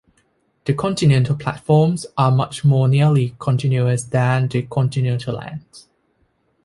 The continental platforms are much more nearly continuous than the continental lands.